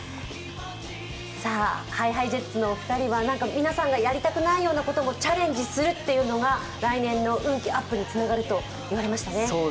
ＨｉＨｉＪｅｔｓのお二人は皆さんがやりたくないようなこともチャレンジするっていうのが来年の運気アップにつながると言われましたね。